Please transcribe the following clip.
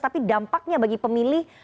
tapi dampaknya bagi pemilih